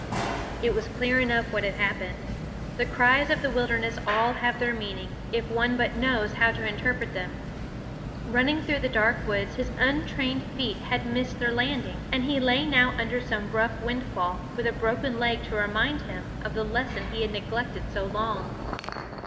It was clear enough what had happened. The cries of the wilderness have all their meaning, if one but knows how to interpret them. Running through the dark woods, his untrained feet had missed their landing, and he lay now under some rough windfall, with a broken leg to remind him of the lesson he had neglected so long.